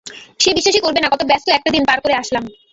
সে বিশ্বাসই করবে না কত ব্যস্ত একটা দিন পার করে আসলাম।